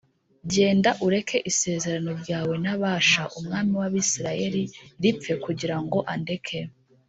genda ureke isezerano ryawe na Bāsha umwami w’Abisirayeli ripfe, kugira ngo andeke”